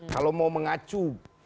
kalau mau mengacu